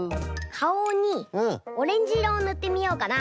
かおにオレンジいろをぬってみようかな。